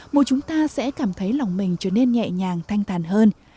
mùa chúng ta sẽ cảm thấy lòng mình trở nên nhẹ nhàng thanh thản hơn